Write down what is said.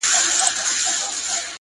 زه چي لـه چــــا سـره خبـري كـوم،